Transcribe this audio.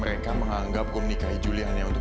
mereka menganggap kau menikahi juli hanya untuk